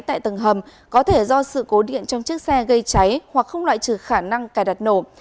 tại tầng hầm có thể do sự cố điện trong chiếc xe gây cháy hoặc không loại trừ khả năng cài đặt nổ